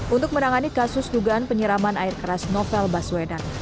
untuk menangani kasus dugaan penyiraman air keras novel baswedan